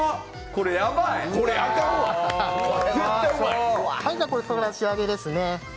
これで仕上げですね。